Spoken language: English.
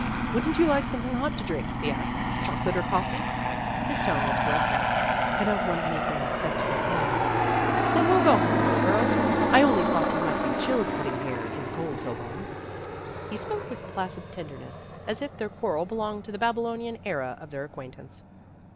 "Wouldn't you like some thing hot to drink!" he asked. "Chocolate or coffee?" His tone was caressing. "I don't want anything except to get home." "Then we'll go home, little girl. I only thought you might be chilled sitting here in the cold so long." He spoke with placid tenderness, as if their quarrel belonged to the Babylonian era of their acquaintance.